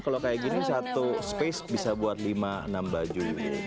kalau kayak gini satu space bisa buat lima enam baju